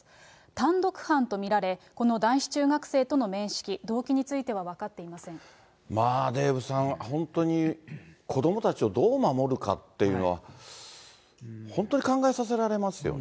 単独犯と見られ、この男子中学生との面識、動機については分かっデーブさん、本当に子どもたちをどう守るかっていうのは、本当に考えさせられますよね。